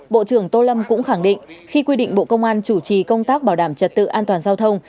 bộ trưởng tô lâm cũng khẳng định khi quy định bộ công an chủ trì công tác bảo đảm trật tự an toàn giao thông